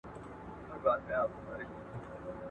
کله یو خوا کله بله شاته تلله